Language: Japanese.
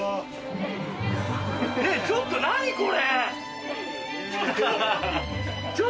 ちょっと何これ。